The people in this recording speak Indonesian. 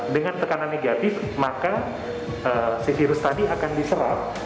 dengan tekanan negatif maka si virus tadi akan diserap